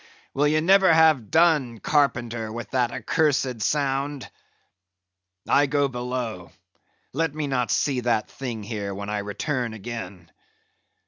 Will ye never have done, Carpenter, with that accursed sound? I go below; let me not see that thing here when I return again.